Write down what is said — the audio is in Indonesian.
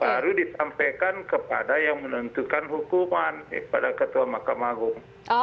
baru disampaikan kepada yang menentukan hukuman kepada ketua mahkamah agung